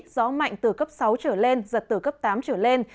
gió mạnh từ cấp sáu trở lên giật từ cấp tám trở lên